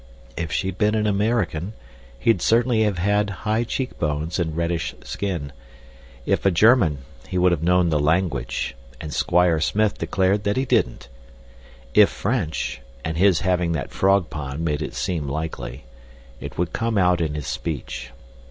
If she'd been an American, he'd certainly have had high cheekbones and reddish skin; if a German, he would have known the language, and Squire Smith declared that he didn't; if French (and his having that frog pond made it seem likely), it would come out in his speech.